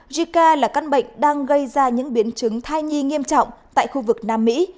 jica là căn bệnh đang gây ra những biến chứng thai nhi nghiêm trọng tại khu vực nam mỹ